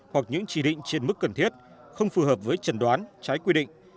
hoặc những chỉ định trên mức cần thiết không phù hợp với trần đoán trái quy định